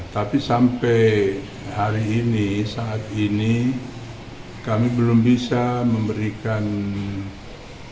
tapi sampai hari ini saat ini kami belum bisa memberikan informasi